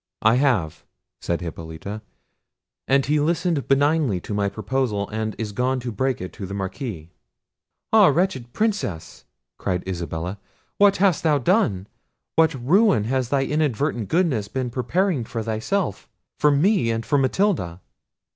"I have," said Hippolita; "he listened benignly to my proposal, and is gone to break it to the Marquis." "Ah! wretched princess!" cried Isabella; "what hast thou done! what ruin has thy inadvertent goodness been preparing for thyself, for me, and for Matilda!"